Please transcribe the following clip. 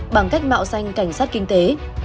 bằng cách mạo danh cảnh sát kinh tế